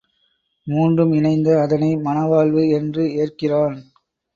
மூன்றும் இணைந்த அதனை மணவாழ்வு என்று ஏற்கிறான்.